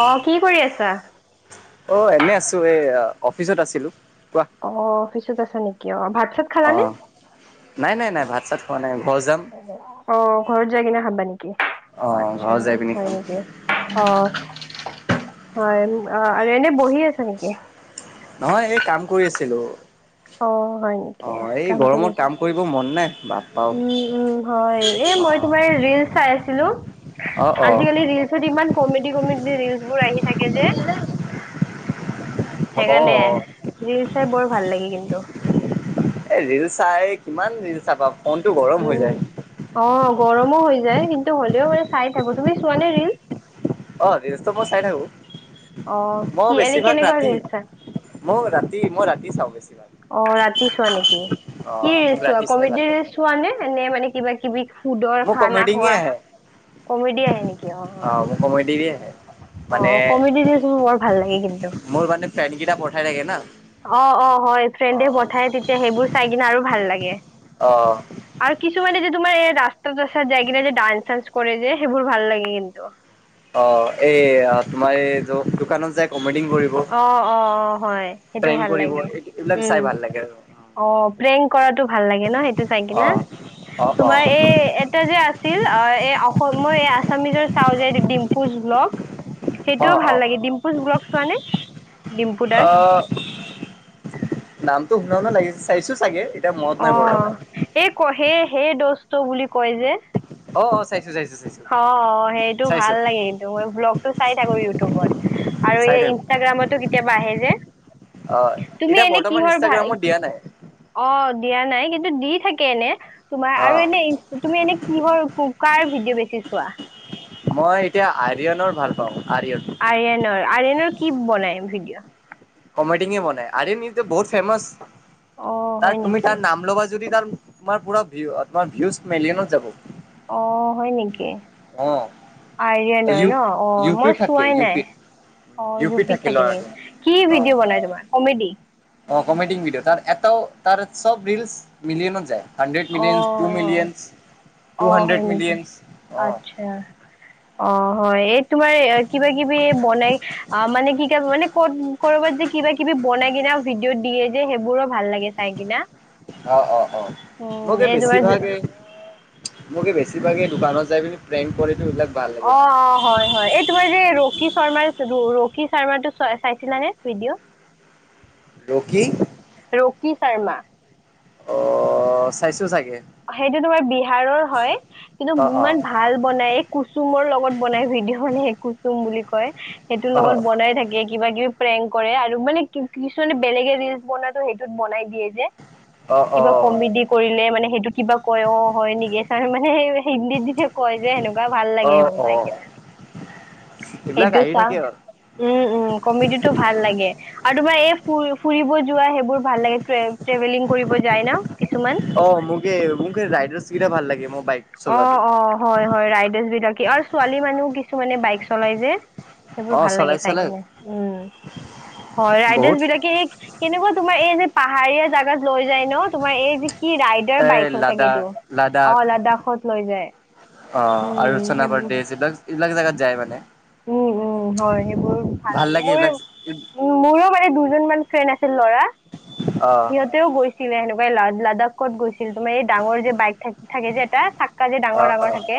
অ কি কৰি আছা- অ', এনে আছো এই অফিচত আছিলোঁ- অফিচত আছা নেকি অ ভাত চাত খালাানে- চ ফনে- অ ঘৰত যাই কিনে ভাবা নেকি অ', আচ্ছা ঘৰ যাই পিনি হয় খাম নেকি- অ হয় আৰু এনে বহি আছ নেকি- নহয় এই কাম কৰি আছিলোঁ অ হয় - অ নেকি এই কাম কৰি গৰমত আছা কাম কৰিব মন নাই বাপ- উম উম হয় এই মই তোমাৰ ৰিলচ চাই আছিলোঁ অ', - অ', আজিকালি ৰিলচত ইমান কমেডি কমেডি ৰিলচ বোৰ আহি থাকে যে- অ', সেইকাৰণে অ', ৰল চাই বৰ ভাল লাগি কিন্তু- এ ৰিলচ চাই কিমান ৰিল চাবা ফোনটো গৰম হৈ উম যায়- অ গৰমো হৈ যায় কিন্তু হ'লেও মানে চাই থাকো তুমি চোৱা নে ৰিলচ- অ ৰিলেচতো মই চাই থাকোঁ- অ মই কি এনে বেছিভাগ কেনেকুৱা ৰাতি ৰিলচ চা মই ৰাতি মই ৰাতি চাওঁ বেছি- অ ৰাতি চোৱা নেকি কি অ', মোক ৰিলচ চোৱা ৰাতি চাই ভাল কমেডি লাগে ৰিলচ হোৱা নে নে মানে কিবা- কিবি ফুডৰ মোৰ খানা কমেডিঙে খোৱা আহে কমেডি আহে নেকি অ মোৰ কমেডিৰে আহে অ মানে অ কমেডি মোৰ বৰ ভাল লাগে কিন্তু- ফেনকিটা পঠাই লাগে ন- অ অ হয় ফ্ৰেণ্ডে পঠায় তেতিয়া সেইবোৰ চাই কিনে আৰু ভাল লাগে- অ আৰু কিছুমানে যদি- তোমাৰ ৰাস্তা চচাৰ যায় কিা যে ডান্স চান্স কৰে যে সেইবোৰ ভাল লাগে কিন্তু- অ এই তোমাৰ এই তো দোকানত যে - অ অ অ হয় সেইটো প্ৰেং ভাল কৰিব লাগে এইবিলাক চাই উম- ভাল লাগে আৰু অ প্ৰেং কৰাটো ভাল লাগে ন সেইটো চাই কি অ না- অ তোমাৰ এই এটা যে আছিল- অ এই মই এই আছামিজৰ চাওঁ যে ডিম্পুজ বক- অ অ সেইটোও অ ভাল লাগে ডিম্পুজ ভ্লক চোৱা নে- অ নামটো শুনও ন লাগিছে চাইছো চাগে! এতিয়া মনত অ নাই বৰ্তমান এই ক সেই সেই দস্ত বুলি কয় যে- অ চাইছোঁ চাইছোঁ - অ সেইটো ভাল লাগে কিন্তু মই ভ্লগটো চাই থাকো ইউটিউবত- আৰু চাই এই থাকো ইনষ্টাগ্ৰামতো কেতিয়াবা আহে যে- অ তুমি এতিয়া এনে বৰ্তমান কিহৰ ভাল ইনষ্টাগ্ৰামত দিয়া নাই- অ দিয়া নাই কিন্তু দি থাকে এনে- তোমাৰ অ আৰু এনে তুমি এনে কিহৰ ক কাৰ ভিডিঅ' বেছি চোৱা- মই এতিয়া আইৰিয়নৰ ভাল পাওঁ- আৰ্যন আৰিয়ানৰ আৰিয়নৰ কি বনাই ভিডিঅ- কমেডিং বনাই আৰে ন বহুত ফেমাচ- অ হয় তাৰ তুমি নেকি তাৰ নাম ল'বা যদি তাৰ তাৰ পৰা তোমাৰ ভিৱাচ মিলিয়নত যাব- অ হয় নেকি- অ- আৰিয়নৰ ইউ ন অ ইউ পিও মই থাকে চোৱাই ইউ পিত নাই- অ ইউ পিত থাকে নেকি কি অ ভিডিঅ' বনাই তোমাৰ কমেডি- অ কমেডিং ভিডিঅ ত এটাও ত চব ৰিলচ মিলিয়নত যায়- হাড্ৰেড মিলিয় টু অ', মিলিয়ন টু অ', হয় হাণ্ড্ৰেড নেকি? মিলিয়ন অ আচ্ছা, অ হয় এই তোমাৰ কিবা কিবি এই বনাই অ মানে কি ক মানে ক'ত কৰ'বাত যে কিবা কিবি বনাই কিনা ভিডিঅ' দিয়ে যে সেইবোৰো ভাল লাগে চাই কিনা অ অ অ উম, মোকে এই তোমাৰ বেছিভাগে মোকে বেছিভাগে দোকানত যাই পিনি প্ৰেংক কৰেটো এইবিলাক ভাল লাগে অ মোৰ অ হয় হয় এই তোমাৰ যে ৰকি শৰ্মাৰ ৰ কি চাৰ্মাৰটো চ চাইছিলানে ভিডিঅ' ৰকি ৰকি শৰ্মা অ চাইছো চাগে সেইটো তোমাৰ বিহাৰৰ হয় কিন্তু অ অ ইমান ভাল বনাই এই কুচুমৰ লগত বনাই অদিহনে কুচুম বুলি কয় সেইটোৰ অ লগত বনাই থাকে কিবা কিবি প্ৰেংক কৰে আৰু মানে কিছুমানে বেলেগে ৰিলচ বনোৱাটো সেইটোত বনাই দিয়ে যে অ কিবা কমেদি কৰিলে মানে সেইটো কিবা কয় অ হয় নেকি চ মানে হিন্দীত যেতিয়া কয় যে সেনেকুৱা ভাল অ লাগে সেইবোৰ অ চাই অ কিনে [unintelligible] সেইবিলাক সেইটো আহি চা থাকে আৰু উম উম কমেডিটো ভাল লাগে আৰু তোমাৰ এই ফুৰিব যোৱা সেইবোৰ ভাল লাগে ট্ৰেভেলিং কৰিব যায় ন কিছুমান ৰাইডাৰছ কেইটা ভাল লাগে মোক অ অ হয় হয় ৰাইডাৰছ বিলাকে আৰু ছোৱালী মানুহ কিছুমানে বাইক চলাই যে- সেইবোৰো অ ভাল লাগে চলাই চাই চলাই কিনে উম হয় ৰাইডাৰছ বহুত বিলাকে এই কেনেকুৱা তোমাৰ এই যে পাহাৰীয়া জাগাত লৈ যায় ন তোমাৰ এই যে কি ৰাইডাৰ এ বাইক চাগ লাডাখ এইটো অ লাডাখ লাডাখ লৈ যায় অ আৰু উম সেইবোৰ চনাপদেশ এইবিলাক এইবিলাক জেগাত যায় মানে উম উম হয় সেইবোৰ ভাল লাগে মোৰ উ মোৰো মানে দুজন মান ফ্ৰেণ্ড আছে ল'ৰা অ সিহঁতেও গৈছিলে সেনেকুৱাই লা লাডাখত গৈ ছিল তোমাৰ এই ডাঙৰ যে বাইক থ থাকে যে এটা চাক্কা যে অ ডাঙৰ ডাঙৰ অ থাকে।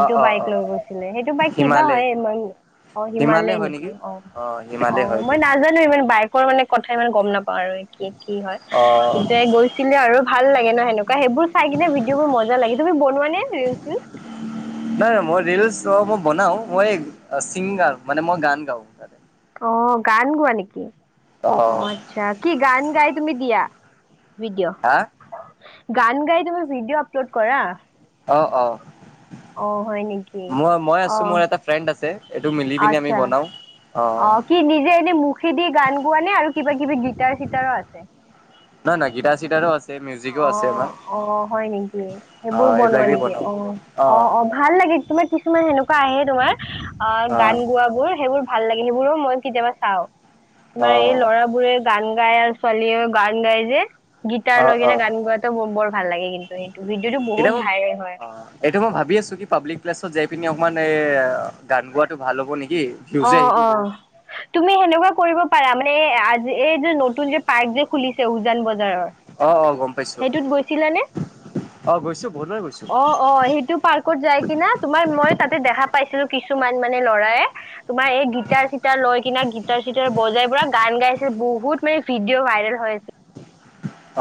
অ অ বাইক অ লৈ গৈছিলে সেইটো বাইক কি কিবা হিমালয় হয় ইমান অ হিমালয় নেকি অ অ মই নাজানো ইমান বাইক কৰ মানে কথা ইমান গম নাপাওঁ আৰু কি হয় অ কিন্তু গৈছিলে আৰু ভাল লাগে ন সেনেকুৱা সেইবোৰ চাই কিনে ভিডিঅ' বোৰ মজা লাগে তুমি বনোৱা নে ৰিল চিল নাই মই ৰিলচ অ মই বনাও মই চিংগাৰ মানে মই গান গাওঁ তাতে অ গান গোৱা নেকি অ আচ্ছা কি গান গাই তুমি দিয়া ভিডিঅ' হা গান গাই তুমি ভিডিঅ' আপলোড কৰা। অ অ অঁ হয় নেকি মই মই আছো অঁ মোৰ এটা ফ্ৰেণ্ড আছে এইটো মিলি পিনি আমি বনাওঁ অ কি নিজে এনে মুখে দি গান গোৱা নে আৰু কিবা কিবি গিটাৰ চিটাৰো আছে নাই নাই গীটাৰ চিটাৰো আছে মিউজিকো আছে আমাৰ অ', অ হয় নেকি অ সেইবোৰ এইবিলাক বনোৱা দি নেকি বনাও অ অ অ ভাল লাগে তোমাৰ কিছুমান সেনেকুৱা আহে তোমাৰ অ গান গোৱ বোৰ সেইবোৰ ভাল লাগে সেইবোৰো মই কেতিয়াবা চাও অ তোমাৰ এই ল'ৰাবোৰে গান গায় আৰু ছোৱালীয়ে গান গায় যে গীতাৰ অ লৈ অ কিনে গান গোৱাটো বৰ ভাল লাগে কিন্তু সেই এতিয়া মই অ এইটো মই ভাবি আছো কি পাব্লিক প্লেত যাই। পিনে অকমান এ গান গোৱাটো ভাল হ'ব নেকি? অ ভিউজে আহিব অ বহুত তুমি সেনেকুৱা কৰিব পাৰা। মানে আজি এই যে নতুন যে পাৰ্ক যে খুলিছে উজান বজাৰত। অ অ গম পাইছো অ গৈছো বহুত বাৰ গৈছো অ অ সেইটো পাৰ্কত যাই কিনা তোমাৰ মই তাতে দেখা পা পাইছিলো কিছুমান মানে লৰা তোমাৰ এই গিটাৰ চিটাৰ লৈ কি গিটাৰ চিটাৰ বজাই পৰা গান গাইছে বহুত মানে ভিডিঅ' ভাইৰেল হৈ আছে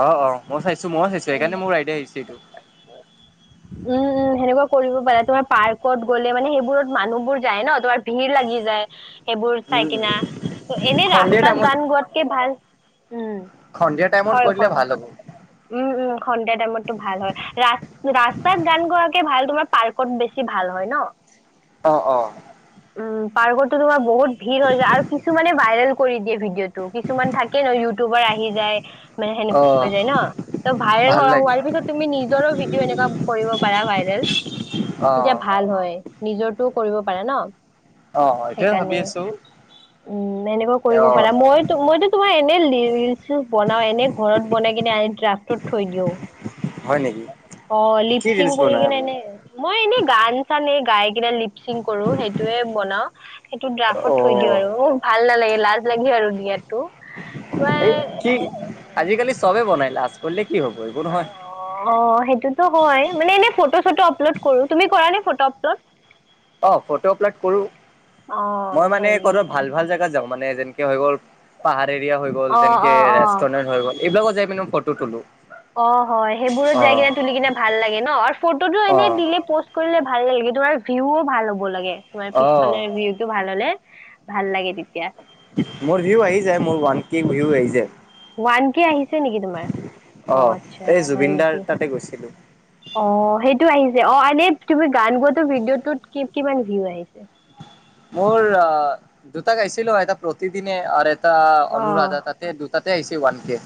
অ অ মই চাইছো ময়ো চাইছো উম, সেইকাৰণে মোৰ আইডিয়া আহিছে এইটো উম, সেনেকুৱা কৰিব পাৰে তোমাৰ পাৰ্কত গ'লে মানে সেইবোৰত মানুহবোৰ যায় ন তোমাৰ ভিৰ লাগি যায় সেইবোৰ চাই উম কিনা ত এনে সন্ধিয়া ৰাস্তাত টাইমত গান গোৱাতকে ভাল উম, সন্ধিয়া টাইমত হয়, কৰিলে হয়, ভাল হ'ব উম উম সন্ধিয়া টাইমতটো ভাল হয় ৰা ৰাস্তাত গান গোৱাকে ভাল তোমাৰ পাৰ্কত বেছি ভাল হয় হয় ন অঁ অঁ উম পাৰ্কতো তোমাৰ বহুত ভিৰ হৈ যায় আৰু কিছুমানে ভাইৰেল কৰি দিয়ে ভিডিঅ' টো কিছুমান থাকে ন ইউটিউবাৰ আহি যায় মানে অ সেনেকুৱা হৈ যায় ন। ত ভাইৰেল ভাল লাগে হোৱাৰ পিছত তুমি নিজৰো ভিডিঅ' এনেকুৱা কৰিব পাৰা ভাইৰেল তেতিয়া অ', ভাল হয় নিজৰটো কৰিব পাৰে ন। অ এইটোয়ে ভাবি সেইকাৰণে আছো। উম এনেকুৱা কৰিব অ', পাৰা মই মইতো তোমাৰ এনেই ৰিল চিলছ বনাও এনে ঘৰত বন কিনে ড্ৰাফটোত থৈ দিওঁ হয় নেকি? অ কি লিপচিং ৰিলচ কৰি বনাই কিনেই আপুনি? এনেই মই এনেই গান চান এই গাই ক লিপচিং কৰো সেইটোয়ে বনাও সেইটো ড্ৰাফ্ত থৈ দিও অ', আৰু ভাল নালাগে লাজ লাগে আৰু দিয়াত এই কি আজিকালি চবে বনাই লাাজ কৰিলে কি হ'ব একো নহয়। অ অ সেইটোতো হয় মানে এনে ফটো চটো আপলোড কৰো তুমি কৰা নে ফটো আপলোড অ ফটো আপলড কৰো অ মই মানে হয় ক'ব নেকি ভাল ভাল জেগাত যাওঁ মানে যেনেকে হৈ গ'ল পাহাৰ এৰিয়া হৈ গ'ল অ যেনকে অ অ ৰেষ্টুৰেন্ট হৈ গল এইবিলাকত যাই পি মই ফটো তলো অ হয় সেইবোৰত যাই কিনে তুলি কিনে ভাল লাগে ন আৰু ফটো এনেই অ', দিলে প কৰিলে ভাল নাগাগে তোমাৰ ভিউও ভাল হ'ব লাগে তোমাৰ অ'। পিছফালে ভিউ টো ভাল হ'লে ভাল লাগে তেতিয়া মোৰ ভিউ আহি যায় মোৰ ওৱান কেক ভিউ আহি যায় ওৱান কে আহি নেকি তোমাৰ অ আচ্ছা এই হয় জুবিনদাৰ নেকি তাতে গৈছিলোঁ। অ সেইটো আহিছে অ এনে তুমি গান গোৱাতো ভিডিঅ' তত কি কিমান ভিউ আহিছে মোৰ অ দুতা গাইছিলো আইতা প্ৰতিদিনে আৰু অ' অনুৰাধা তাতে দুটাতে আহিছে ওৱান কে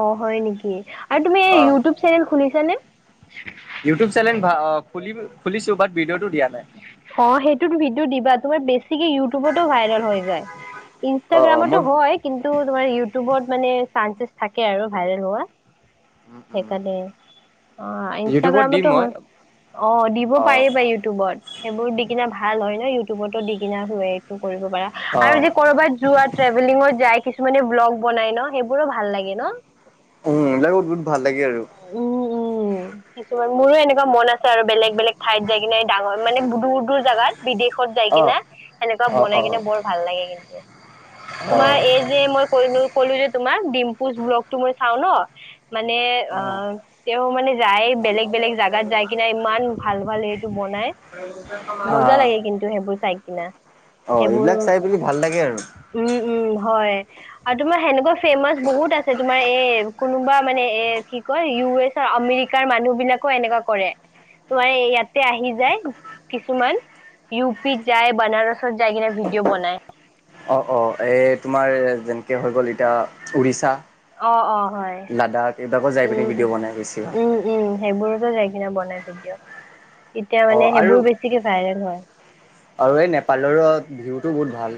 অ হয় নেকি আৰু তুমি এই অ ইউটিউব চেনেল খুলিছানে ইউটিউব চেনেল খুলিছোঁ বত ভিডিঅ অ সেইটোত ভিডিঅ' দিবা তোমাৰ বেছিকে ইউটিউবতো ভাইৰেল হৈ যায় অ অ ইনষ্টাগ্ৰামতো মই হয় কিন্তু তোমাৰ ইউটিউবত মানে চানসেছ থাকে আৰু ভাইৰেল হোৱা উম উম সেইকাৰণে অ ইউটিউবত দিম ইনষ্টাগ্ৰামতো মই হয় অ দিব অ পাৰিবা ইউটিউবত সেইবোৰ দি কিনা ভাল হয় ন ইউটিউবতো দি কিনা হয় এইটো অ আৰু কৰবাত যোৱা ট্ৰেভেলিঙত যায় কি কিছুমানে ব্লগ বনাই ন সেইবোৰো ভাল লাগে ন উ এইবিলাকত বহুত ভাল লাগে আৰু উম উম কিছুমান মোৰো এনেকুৱা মন আছে আৰু বেলেগ বেলেগ ঠাইত যাই কিনে ডাঙৰ মানে দূৰ দূৰ জেগাত বিদেশত যাই অ কিনা সেনেকুৱা অ বনাই অ কিনে বৰ ভাল লাগে কিন্তু তোমাৰ এই অ যে মই কলো ক'লো যে তোমাৰ ডিম [unintelligible] পুচ ব্লক টো মই চাওঁ ন মানে অ অঁ তেওঁ মানে যায় বেলেগ বেলেগ জাগাত যাই কিনে ইমান ভাল ভাল এইটো বনাই মজা লাগে কিন্তু সেইবোৰ চাই কিনা অ সেইবোৰ এইবিলাক চাই পেলি ভাল লাগে আৰু উম উম হয়। আৰু তোমাৰ সেনেকুৱা ফেমাচ বহুত আছে তোমাৰ এ কোনোবা মানে এ। কি কয় ইউ এছৰ আমেৰিকাৰ মানুহ বিলাকো এনেকুৱা কৰে। তোমাৰ ইয়াতে আহি যায় কিছুমান। ইউ পি যায় বানাৰসত যায় কিনে ভিডিঅ' বনাই। অঁ অঁ এই তোমাৰ যেনেকে হৈ গ'ল এতিয়া উৰিষ্যা। অঁ অঁ হয়। লাডাখ এইবিলাকত যাই উম পিনি ভিডিঅ' বনাই বেছি ভাল উ উম উম সেইবোৰতো যাই কিনা বনাই ভিডিঅ'। তেতিয়া অ মানে আৰু সেইবোৰ বেছিকে ভাইৰেল হয়। আৰু এই নেপালৰো ভিউটো বহুত ভাল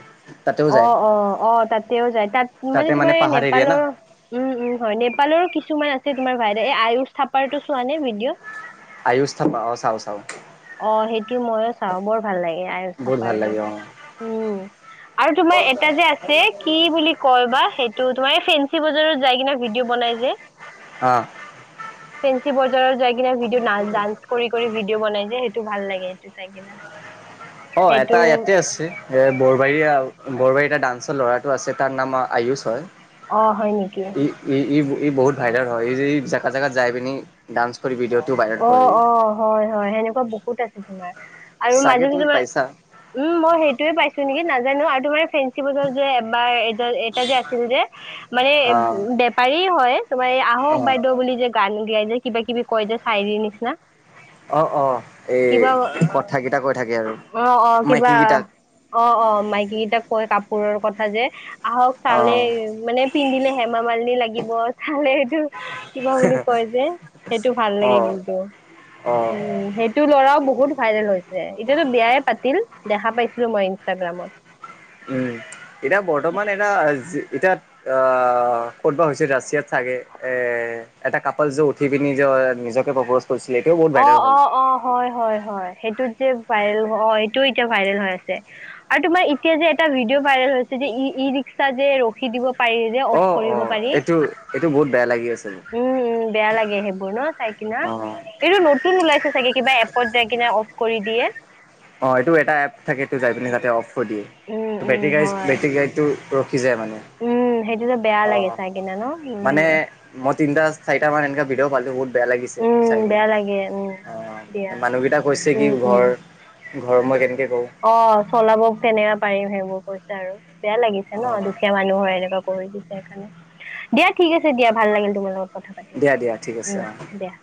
তাতেও অ যায় অ অ তাতেও যায় তাত তাতে মানে তোমাৰ এই পাহাৰ এৰিয়া না নেপালৰ উম উম হয় নেপালৰ। কিছুমান আছে তোমাৰ ভাহত এই আয়ুস থাপাৰটো চোৱা নে ভিডিঅ'। [unintelligible] আয়ুস থাপা অ চাও চাও। অ সেইটো মইো চাওঁ বৰ ভাল লাগে আয়ুস বহুত ভাল থাপাৰটো। লাগে অ উম আৰু তোমাৰ এটা যে আছে কি বুলি কয় বা সেই। তো তোমাৰ এই ফেঞ্চি বজাৰত যাই কিনা ভিডিঅ' বনাই যে। আঁহ। ফেঞ্চি বজাৰত যাই কিনে ভিডিঅ ডান্স কৰি কৰি ভিডিঅ' বনাই। যে সেইটো ভাল লাগে সেইটো চাই কিনাৰ। অঁ এটা ইয়াতে আছে এ বৰবাৰী বৰবাৰী এটা ডান্স। ল'ৰাটো আছে তাৰ নাম আয়ুস হয়। অঁ হয় নেকি। ই ই ই ই বহুত ভাইৰেল হয় এই যে জেগা জেগাত যাই পিনি ডান্স। কৰি ভিডিঅ'টো ভাইৰেল কৰে অঁ অঁ হয় হয় সেনেকুৱা বহুত আছে তোমাৰ। আৰু চাগে তুমি মাজুমজুমাৰ পাইছা উম মই সেইটোয়ে পাইছো নেকি নাজানো আৰু তোমাৰ। ফেঞ্চি বজাৰ যে এবাৰ এই এটা যে আছিল যে। মানে অ বেপাৰী হয় তোমাৰ এই অ আহক বাইদেউ বুলি যে গান গাই যে কিবা কিবি। কৈ যে চাইৰি নিচিনা। অঁ অঁ এই কিবা কথ কেইটা কৈ থাকে আৰু মাইকী কেইটাক। অঁ অঁ মাইকীকেইটাক কয় কাপোৰৰ কথা যে। আহক অ চালে মানে পিন্ধিলে হেমা মালিনী লাগিব চালে এইটো কিবা বুলি কয়। যে সেইটো ভাল অ লাগে কিন্তু উ অ সেইটো ল'ৰাও বহুত। ভাইৰেল হৈছে এতিয়াতো বিয়াই পাতিল দেখা পাইছিলো মই ইনষ্টাগ্ৰামত। উম এতিয়া বৰ্তমান এটা যি। ইতিয়া কত বা হৈছে ৰাছিয়াত চাগে এ। এটা কাপাল যো উঠি পিনি যে নিজকে প্ৰপজ। কৰিছিলে এইটোও বহুত অঁ ভাইৰেল হ'ল। অঁ অঁ হয় হয় হয় সেইটোত যে ভাই অ সেইটো। ভাইৰেল হৈ আছে আৰু তোমাৰ এতিয়া যে এটা ভিডিঅ' ভাইৰেল হৈছে যে ই ই ৰিক্সা যে ৰখি দিব। পাৰি যে অফ অ', কৰিব অ', পাৰি এইটো এইটো বহুত বেয়া লাগি আছে মোৰ। উম উম বেয়া লাগে সেইবোৰ ন চাই। কিনা অ', এইটো নতুন ওলাইছে চাগে কিবা এপত যাই কিনে অফ কৰি দিয়ে। অঁ এইটো এটা এপ থাকে এইটো যাই পি তাতে অফ কৰি দিয় উম উম বেটৰী গা হয় বেটৰী গডীতটো। কি যায় মানে উম সেইটোতো বেয়া অ লাগে চাই কিনে ন মানে উম মই তিনিটা। চাৰিটামান এনেকা ভিদিঅ পালো। বেয়া লাগিছে উম চাই পিনি বেয়া লাগে উম অ দিয়া মানুহকেইটা কৈছে কি উম উম ঘৰ। ঘৰ মই কেনেকে। কওঁ। অ চলাব তেনেকে পাৰিম সেইবোৰ কৈছে আৰু বেয়া লাগিছে ন অ'। দুখীয়া মানুহৰ এনেকুৱা। কৰি দিছে সেইকাৰণে দিয়া ঠিক আছে দিয়া ভাল লাগিল তোমাৰ লগত। কথা পাতি দিয়া দিয়া ঠিক আছে উম অ। দিয়া